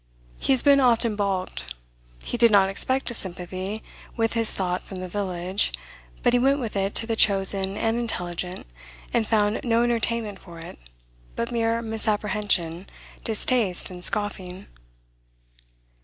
He has been often baulked. He did not expect a sympathy with his thought from the village, but he went with it to the chosen and intelligent, and found no entertainment for it, but mere misapprehension, distaste, and scoffing.